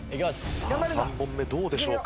さあ３本目どうでしょうか？